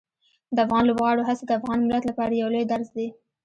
د افغان لوبغاړو هڅې د افغان ملت لپاره یو لوی درس دي.